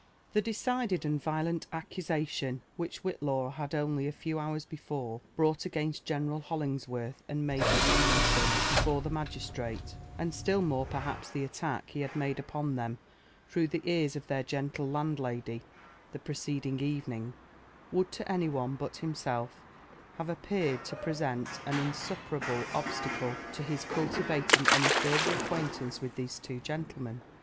The decided and violent accusation which Whillaw had only a few hours before brought against General Holingsworlh and Major Tom linson before the magistrate, and still more perhaps (he attack he had made upon them through the ears of their gentle landlady the preced ing evening, would to any one but himself have appeared to present an insuperable obstacle to his cultivating any further acquaintance with these two gentlemen.